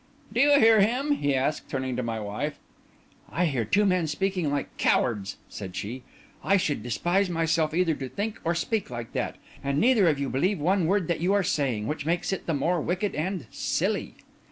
"Do you hear him?" he asked, turning to my wife. "I hear two men speaking like cowards," said she. "I should despise myself either to think or speak like that. And neither of you believe one word that you are saying, which makes it the more wicked and silly."